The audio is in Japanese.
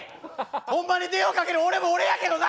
ほんまに電話かける俺も俺やけどな！